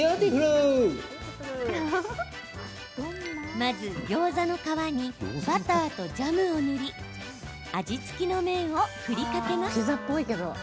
まず、ギョーザの皮にバターとジャムを塗り味付きの麺を振りかけます。